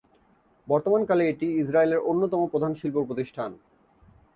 বর্তমান কালে এটি ইস্রায়েলের অন্যতম প্রধান শিল্প প্রতিষ্ঠান।